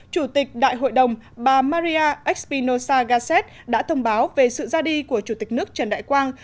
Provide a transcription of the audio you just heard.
chủ tịch đại hội đồng bà maria expinosa gaset đã thông báo về sự ra đi của chủ tịch nước trần đại quang